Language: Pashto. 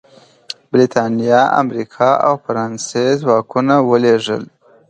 برېټانیا، امریکا او فرانسې ځواکونه ولېږل.